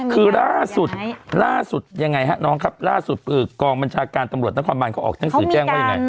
คือล่าสุดล่าสุดยังไงฮะน้องครับล่าสุดกองบัญชาการตำรวจนครบานเขาออกหนังสือแจ้งว่ายังไง